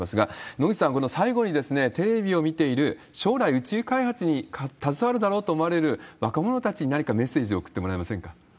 野口さん、最後にテレビを見ている、将来宇宙開発に携わるだろうと思われる若者たちに、何かメッセージを送ってもらえませんか？